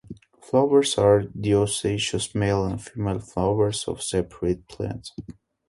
Flowers are dioecious (male and female flowers on separate plants).